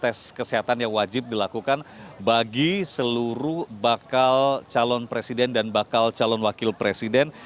tes kesehatan yang wajib dilakukan bagi seluruh bakal calon presiden dan bakal calon wakil presiden